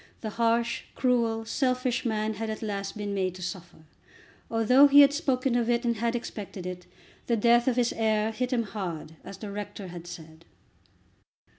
The harsh, cruel, selfish man had at last been made to suffer. Although he had spoken of it and had expected it, the death of his heir hit him hard, as the rector had said.